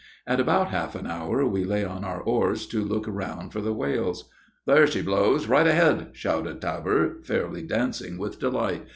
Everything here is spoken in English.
In about half an hour we lay on our oars to look round for the whales. "There she blows! right ahead!" shouted Tabor, fairly dancing with delight.